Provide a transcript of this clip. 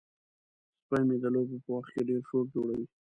سپی مې د لوبو په وخت کې ډیر شور جوړوي.